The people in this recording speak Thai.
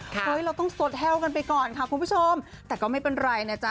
เฮ้ยเราต้องสดแห้วกันไปก่อนค่ะคุณผู้ชมแต่ก็ไม่เป็นไรนะจ๊